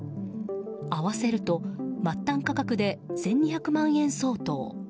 合わせると末端価格で１２００万円相当。